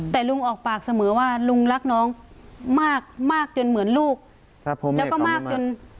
แต่ลุงออกปากเสมอว่าลุงรักน้องมากมากจนเหมือนลูกแล้วก็มากจน